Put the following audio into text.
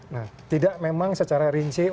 nah tidak memang secara rinci